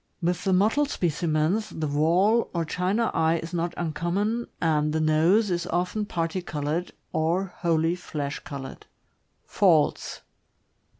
With the mot tled specimens, the wall or china eye is not uncommon, and the nose is often parti colored or wholly flesh colored. Faults.